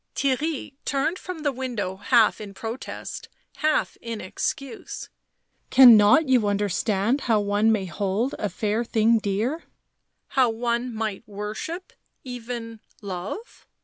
Theirry turned from the window half in protest, half in excuse. " Cannot you understand how one may hold a fair thing dear— how one might worship even — love